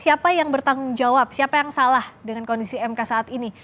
siapa yang bertanggung jawab siapa yang salah dengan kondisi mk saat ini